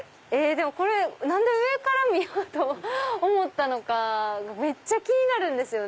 何で上から見ようと思ったのかめっちゃ気になるんですよね。